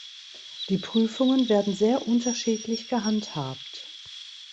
Die Prüfungen werden sehr unterschiedlich gehandhabt.